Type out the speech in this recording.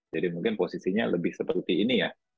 jadi mungkin posisinya lebih seperti ini ya